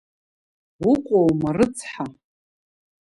Уҟоума рыцҳа!